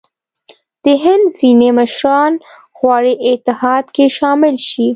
د هند ځیني مشران غواړي اتحاد کې شامل شي.